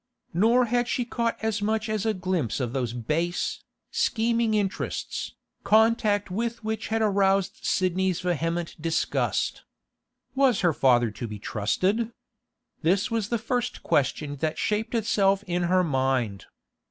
Nor had she caught as much as a glimpse of those base, scheming interests, contact with which had aroused Sidney's vehement disgust. Was her father to be trusted? This was the first question that shaped itself in her mind.